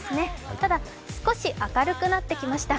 ただ少し明るくなってきました。